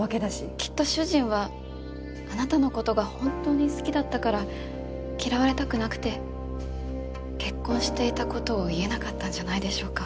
きっと主人はあなたのことが本当に好きだったから嫌われたくなくて結婚していたことを言えなかったんじゃないでしょうか。